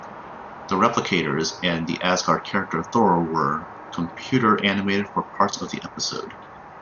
The Replicators and the Asgard character Thor were computer-animated for parts of the episode.